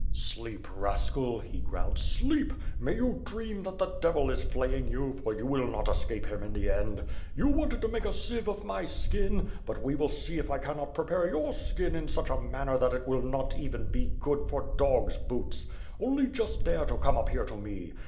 "Sleep, rascal," he growled, "sleep! May you dream that the devil is flaying you, for you will not escape him in the end. You wanted to make a sieve of my skin, but we will see if I cannot prepare your skin in such a manner that it will not be even good for dog's boots. Only just dare to come up here to me.